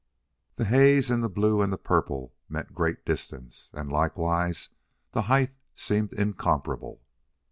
The haze and the blue and the purple meant great distance, and, likewise, the height seemed incomparable.